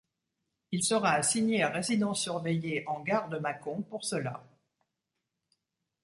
Il sera assigné à résidence surveillée en gare de Mâcon pour cela.